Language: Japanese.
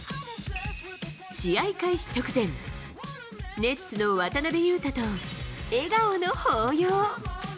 試合開始直前、ネッツの渡邊雄太と笑顔の抱擁。